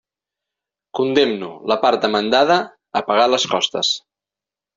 Condemno la part demandada a pagar les costes.